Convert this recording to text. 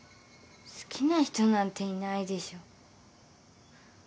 好きな人なんていないでしょ